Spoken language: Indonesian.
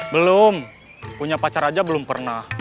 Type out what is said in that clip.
belum punya pacar aja belum pernah